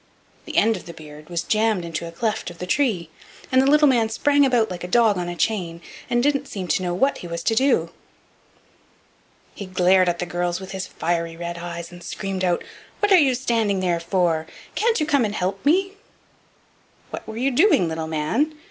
The end of the beard was jammed into a cleft of the tree, and the little man sprang about like a dog on a chain, and didn't seem to know what he was to do. He glared at the girls with his fiery red eyes, and screamed out: "What are you standing there for? Can't you come and help me?" "What were you doing, little man?"